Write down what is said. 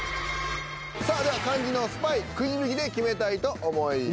さあでは肝心のスパイくじ引きで決めたいと思います。